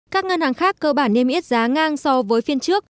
các ngân hàng khác cơ bản niêm yết giá ngang so với phiên trước